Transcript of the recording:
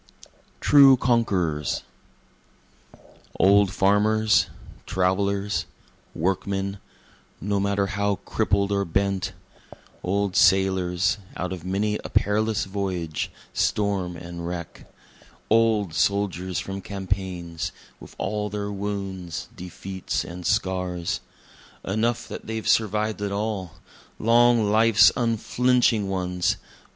True Conquerors Old farmers, travelers, workmen (no matter how crippled or bent,) Old sailors, out of many a perilous voyage, storm and wreck, Old soldiers from campaigns, with all their wounds, defeats and scars; Enough that they've survived at all long life's unflinching ones!